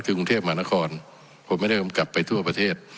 กรุงเทพมหานครผมไม่ได้กำกับไปทั่วประเทศ